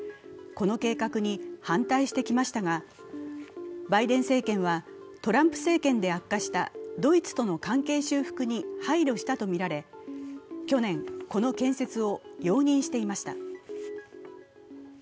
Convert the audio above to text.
この計画に反対してきましたが、バイデン政権はトランプ政権で悪化したドイツとの関係修復に配慮したとみられ、去年、この建設を容認していました